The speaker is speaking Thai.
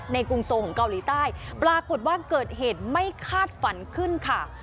กรุงโซของเกาหลีใต้ปรากฏว่าเกิดเหตุไม่คาดฝันขึ้นค่ะ